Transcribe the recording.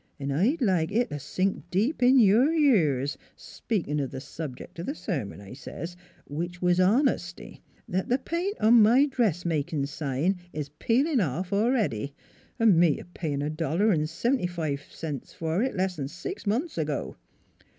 * 'N' I'd like it t' sink deep in your years speakin' of the subjec' of the sermon,' I says, ' which was honesty, that the paint on my dressmakin' sign is peelin' off a'ready an' me payin' a dollar V seventy fi' cents for it less 'n' six months ago.